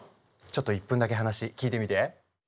ちょっと１分だけ話聞いてみて！